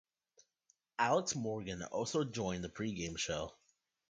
Alex Morgan also joined the pregame show.